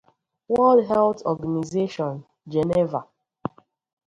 World Health Organization, Geneva.